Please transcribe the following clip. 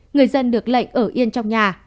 người dân được lệnh ở yên trong nhà